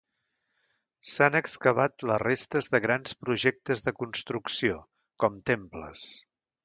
S'han excavat les restes de grans projectes de construcció, com temples.